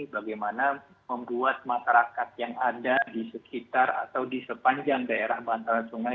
bagaimana membuat masyarakat yang ada di sekitar atau di sepanjang daya raya